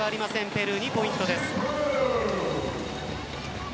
ペルーにポイントです。